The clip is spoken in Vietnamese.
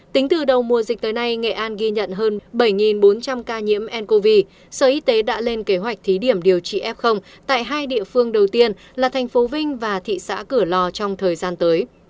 tính từ đầu mùa dịch tới nay nghệ an ghi nhận hơn bảy bốn trăm linh ca nhiễm ncov sở y tế đã lên kế hoạch thí điểm điều trị f tại hai địa phương đầu tiên là thành phố vinh và thị xã cửa lò trong thời gian tới